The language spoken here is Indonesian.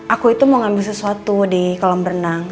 aku itu mau ngambil sesuatu di kolam berenang